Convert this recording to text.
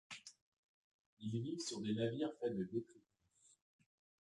Ils vivent sur des navires faits de détritus.